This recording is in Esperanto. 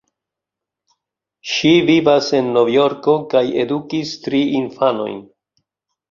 Ŝi vivas en Novjorko kaj edukis tri infanojn.